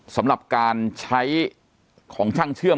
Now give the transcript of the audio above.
สำหรับการใช้ของช่างเชื่อม